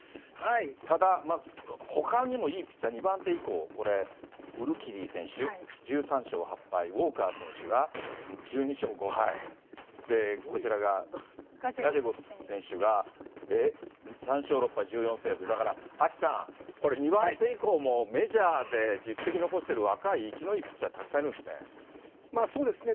ただ、ほかにもいいピッチャー、２番手以降、これ、ウルキディ選手、１３勝８敗、ウォーカー選手が１２勝５敗、こちらがガジェゴス選手がえっ、３勝６敗１４セーブ、だから、アキさん、これ、２番手以降もメジャーで実績残している若い生きのいいピッチャー、そうですね。